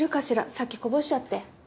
さっきこぼしちゃって。